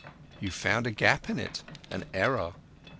You've found a gap in it, an error.